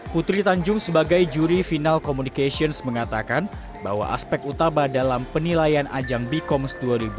putri tanjung sebagai juri final communications mengatakan bahwa aspek utama dalam penilaian ajang be coms dua ribu dua puluh